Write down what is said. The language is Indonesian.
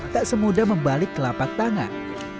tak semudah membalik kelapak tangan